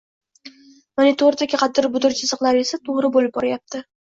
Monitordagi g`adir-budur chiziqlar esa to`g`ri bo`lib boryapti